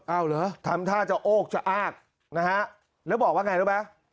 เอาเหรอทำท่าจะโอกจะอ้ากนะฮะแล้วบอกว่าไงรู้ไหม